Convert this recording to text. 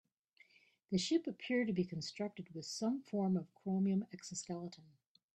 The ship appeared to be constructed with some form of chromium exoskeleton.